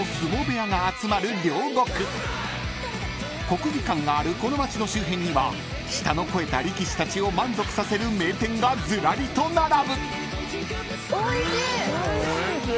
［国技館があるこの街の周辺には舌の肥えた力士たちを満足させる名店がずらりと並ぶ］